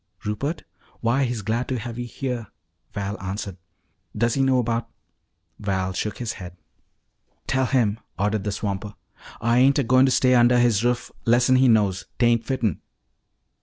"Rupert? Why, he's glad to have you here," Val answered. "Does he know 'bout " Val shook his head. "Tell him!" ordered the swamper. "Ah ain't a goin' to stay undah his ruff lessen he knows. 'Tain't fitten."